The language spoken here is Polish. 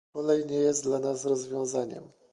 Kolej nie jest dla nas rozwiązaniem